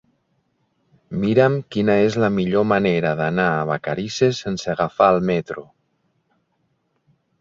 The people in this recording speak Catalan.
Mira'm quina és la millor manera d'anar a Vacarisses sense agafar el metro.